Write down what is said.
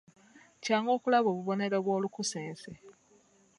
Kyangu okulaba obubonero bw'olukusense.